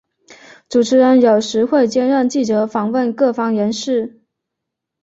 主持人有时会兼任记者访问各方人士。